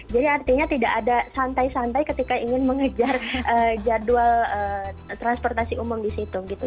jadi artinya tidak ada santai santai ketika ingin mengejar jadwal transportasi umum di situ gitu